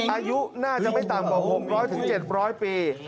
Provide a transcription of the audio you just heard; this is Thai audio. อายุน่าจะไม่ต่ำกว่า๖๐๐๗๐๐ปี